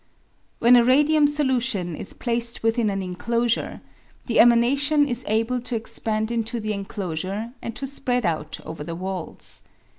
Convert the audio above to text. When a radium solution is placed within an enclosure, the emanation is able to expand into the enclosure and to spread out over the walls.